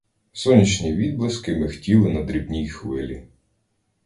Сонячні відблиски мигтіли на дрібній хвилі.